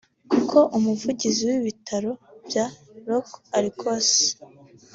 kuko umuvigizi w’ibitaro bya Los Arcos